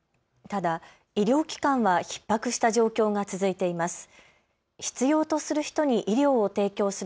ただ医療機関はひっ迫した状況が続いています。